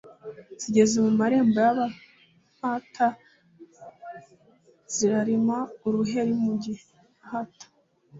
Zigeze mu marembo y'abampata zirarima-Uruheri mu gihata.